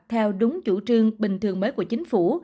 theo đúng chủ trương bình thường mới của chính phủ